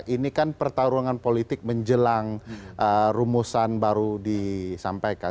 ini kan pertarungan politik menjelang rumusan baru disampaikan